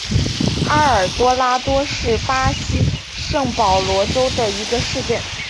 埃尔多拉多是巴西圣保罗州的一个市镇。